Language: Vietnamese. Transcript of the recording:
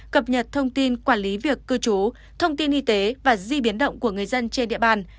cập nhật thông tin quản lý việc cư trú thông tin y tế và di biến động của người dân trên địa bàn